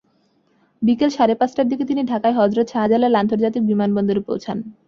বিকেল সাড়ে পাঁচটার দিকে তিনি ঢাকায় হজরত শাহজালাল আন্তর্জাতিক বিমানবন্দরে পৌঁছান।